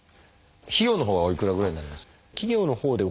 費用のほうはおいくらぐらいになりますか？